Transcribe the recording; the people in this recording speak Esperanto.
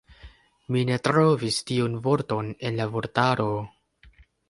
Mi ne trovis tiun vorton en la vortaro.